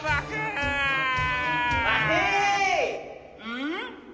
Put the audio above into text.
うん？